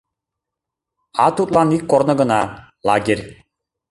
А тудлан ик корно гына: лагерь.